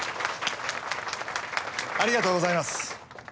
ありがとうございます。